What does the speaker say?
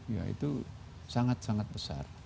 ya itu sangat sangat besar